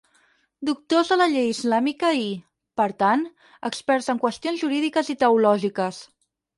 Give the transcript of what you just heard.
Doctors de la llei islàmica i, per tant, experts en qüestions jurídiques i teològiques.